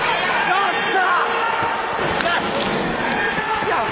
やった！